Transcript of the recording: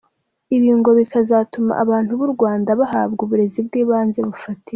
Ibi ngo bikazatuma abana b’u Rwanda bahabwa uburezi bw’ibanze bufatika.